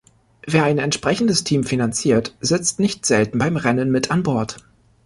Wer ein entsprechendes Team finanziert, sitzt nicht selten beim Rennen mit an Bord.